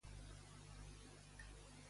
A què accedeix Thomas?